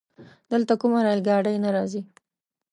دلته کومه رايل ګاډی نه راځي؟